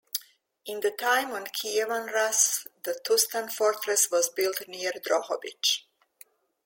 In the time of Kievan Rus', the Tustan fortress was built near Drohobych.